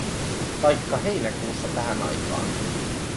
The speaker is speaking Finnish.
Taikka heinäkuussa tähän aikaan.